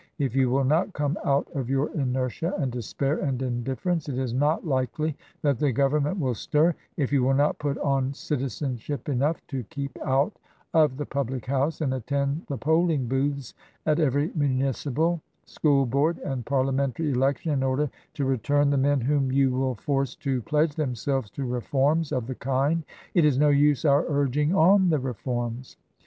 If you will not come out of your inertia .and despair and indifference, it is not likely that the Government will stir; if you will not put on citizenship enough to keep out of the public house and attend the polling booths at every Municipal, School Board, and Parliamentary election in order to return the men whom you will force to pledge themselves to reforms of the kind, it is no use our urging on the reforms.